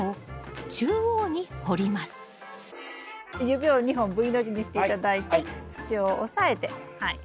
指を２本Ｖの字にして頂いて土を押さえてはい。